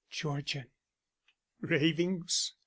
"Georgian." "Ravings?"